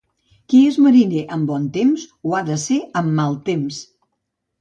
Qui és mariner amb bon temps, ho ha de ser amb mal temps.